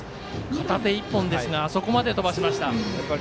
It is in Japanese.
片手１本ですがあそこまで飛ばしました。